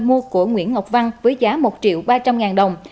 mua của nguyễn ngọc văn với giá một triệu ba trăm linh ngàn đồng